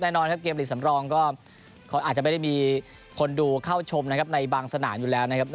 แน่นอนครับเกมลีกสำรองก็อาจจะไม่ได้มีคนดูเข้าชมนะครับในบางสนามอยู่แล้วนะครับ